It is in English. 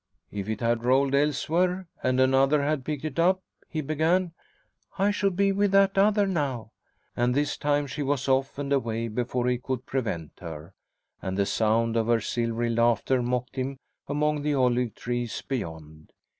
"If it had rolled elsewhere and another had picked it up ?" he began. "I should be with that other now!" And this time she was off and away before he could prevent her, and the sound of her silvery laughter mocked him among the olive trees beyond.